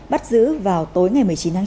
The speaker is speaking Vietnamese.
bắt giữ vào tối ngày một mươi chín tháng chín